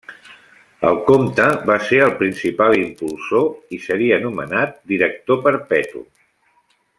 El comte va ser el principal impulsor i seria nomenat director perpetu.